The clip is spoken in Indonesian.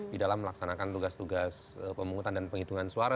di dalam melaksanakan tugas tugas pemungutan dan penghitungan suara